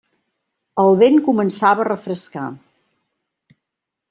El vent començava a refrescar.